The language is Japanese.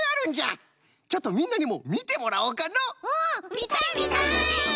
みたいみたい！